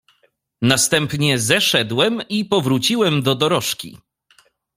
"Następnie zeszedłem i powróciłem do dorożki."